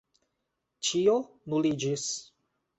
Ĉio nuliĝis.